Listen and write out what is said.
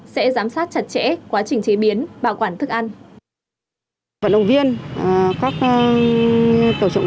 chặt chẽ quá trình chế biến bảo quản thức ăn